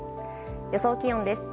予想気温です。